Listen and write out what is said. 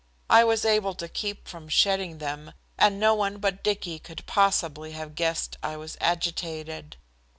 I was able to keep from shedding them, and no one but Dicky could possibly have guessed I was agitated.